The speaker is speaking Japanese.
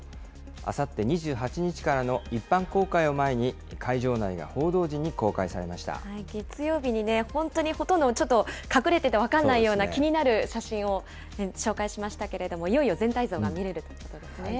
あさって２８日からの一般公開を前に、月曜日にね、本当にほとんどちょっと隠れてて分かんないような、気になる写真を紹介しましたけれども、いよいよ全体像が見えるということです